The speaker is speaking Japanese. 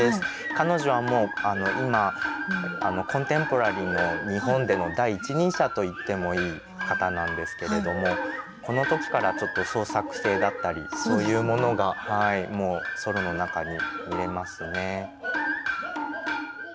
彼女はもう今コンテンポラリーの日本での第一人者と言ってもいい方なんですけれどもこの時からちょっと創作性だったりそういうものがはいもうソロの中に見れますね。